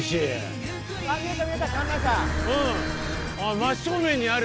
真正面にある。